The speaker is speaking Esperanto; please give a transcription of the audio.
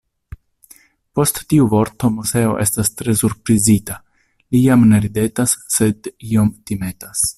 Post tiu vorto Moseo estas tre surprizita, li jam ne ridetas, sed iom timetas.